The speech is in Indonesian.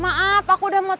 maap salah sambung